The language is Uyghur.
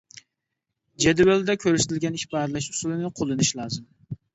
جەدۋەلدە كۆرسىتىلگەن ئىپادىلەش ئۇسۇلىنى قوللىنىش لازىم.